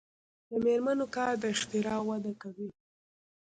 د میرمنو کار د اختراع وده کوي.